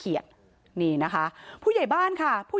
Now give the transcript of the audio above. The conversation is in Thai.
เพราะพ่อเชื่อกับจ้างหักข้าวโพด